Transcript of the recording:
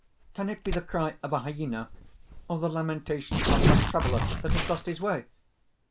_) "Can it be the cry of a hyena, or the lamentation of some traveler that has lost his way?"